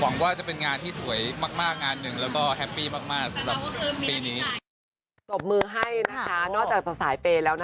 ออกน่าจะเอาน่าจะเพิ่มอันนี้น่าจะเอาตลอดเลย